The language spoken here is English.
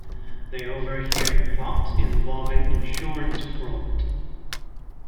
They overhear a plot involving insurance fraud.